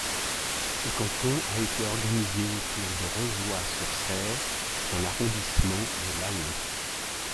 Ce canton a été organisé autour de Rozoy-sur-Serre dans l'arrondissement de Laon.